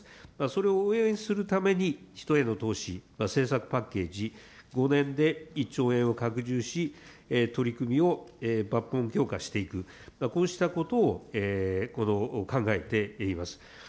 それを応援するために、人への投資、政策パッケージ、５年で１兆円を拡充し、取り組みを抜本強化していく、こうしたことを考えています。